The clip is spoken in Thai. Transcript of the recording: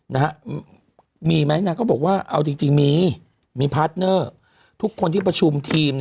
นะฮะมีไหมนางก็บอกว่าเอาจริงจริงมีมีพาร์ทเนอร์ทุกคนที่ประชุมทีม